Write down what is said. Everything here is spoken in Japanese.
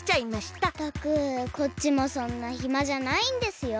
ったくこっちもそんなひまじゃないんですよ。